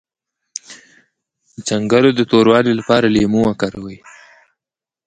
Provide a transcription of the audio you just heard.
د څنګلو د توروالي لپاره لیمو وکاروئ